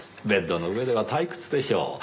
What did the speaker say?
ベッドの上では退屈でしょう？